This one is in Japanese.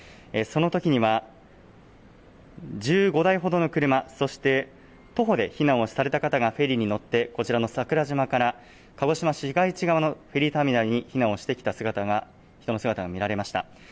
そのときには１５台ほどの車、そして徒歩で避難をされた方がフェリーに乗ってこちらの桜島から鹿児島市市街地側のフェリーターミナルに避難をしてきた姿が、人の姿が見られました。